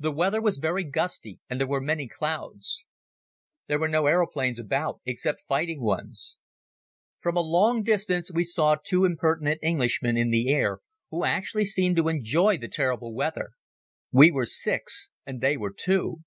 The weather was very gusty and there were many clouds. There were no aeroplanes about except fighting ones. From a long distance we saw two impertinent Englishmen in the air who actually seemed to enjoy the terrible weather. We were six and they were two.